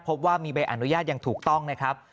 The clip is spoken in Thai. พบว่ามีใบอนุญาตอย่างถูกต้องนะครับ